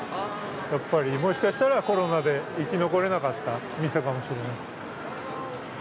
もしかしたらコロナで生き残れなかった店かもしれない。